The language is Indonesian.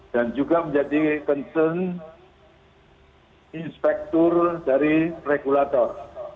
dan juga menjadi concern inspektur dari regulator